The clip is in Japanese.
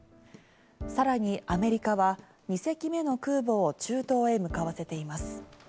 さらにアメリカは２隻目の空母を中東へ向かわせています。